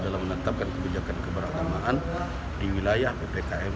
dalam menetapkan kebijakan keberagamaan di wilayah ppkm